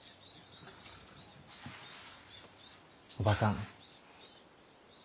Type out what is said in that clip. おばさん。